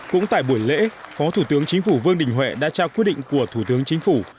cũng tại buổi lễ phó thủ tướng chính phủ vương đình huệ đã trao quyết định của thủ tướng chính phủ